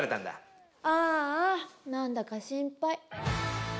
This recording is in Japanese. ああなんだか心配。